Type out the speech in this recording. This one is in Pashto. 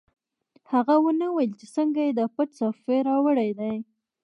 هغه ونه ویل چې څنګه یې دا پټ سافټویر راوړی دی